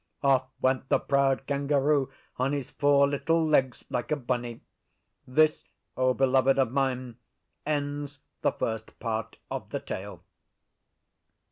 Off went the proud Kangaroo on his four little legs like a bunny. This, O Beloved of mine, ends the first part of the tale!